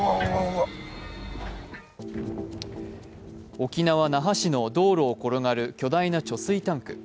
沖縄・那覇市の道路を転がる巨大な貯水タンク。